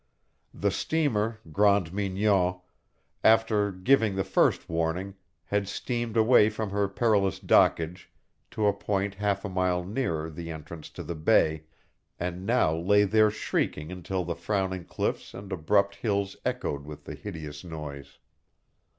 The steamer Grande Mignon, after giving the first warning, had steamed away from her perilous dockage to a point half a mile nearer the entrance to the bay, and now lay there shrieking until the frowning cliffs and abrupt hills echoed with the hideous noise.